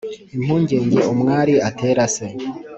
Impungenge umwari atera se